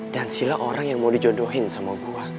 dan sila orang yang mau dijodohin sama gue